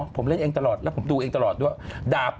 ผมเล่นเองตลอดแล้วผมดูเองตลอดด้วย